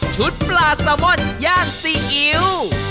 ๓ชุดปลาสาวม่อนย่างซีอิ๊ว